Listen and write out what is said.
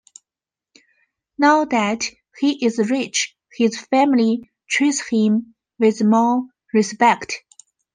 Now that he is rich, his family treats him with more respect.